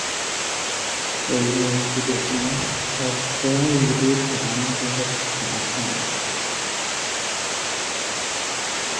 এই মন্দিরে অনেক ভক্ত ইউরোপ ও আমেরিকা থেকে আসেন।